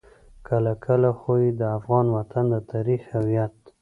کله کله خو يې د افغان وطن د تاريخي هويت.